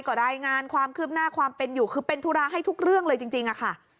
ก็รายงานความคืบหน้าความเป็นอยู่คือเป็นธุระให้ทุกเรื่องเลยจริงอะค่ะ